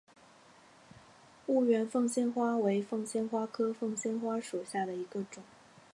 婺源凤仙花为凤仙花科凤仙花属下的一个种。